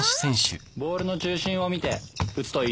ボールの中心を見て打つといいですよ。